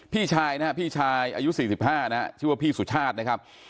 พี่ชายอายุ๔๕ชื่อว่าพี่สุชาตินะครับ